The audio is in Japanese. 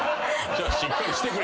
じゃあしっかりしてくれよ。